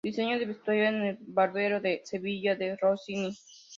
Diseño de vestuario de El barbero de Sevilla de Rossini.